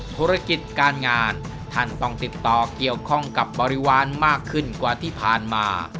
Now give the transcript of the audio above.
ธุรกิจการงานท่านต้องติดต่อเกี่ยวข้องกับบริวารมากขึ้นกว่าที่ผ่านมา